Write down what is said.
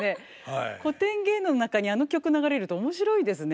古典芸能の中にあの曲流れると面白いですね。